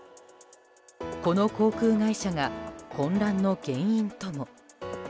この航空会社が混乱の原因とも。